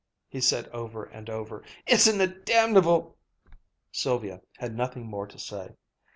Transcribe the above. he said over and over. "Isn't it damnable!" Sylvia had nothing more to say.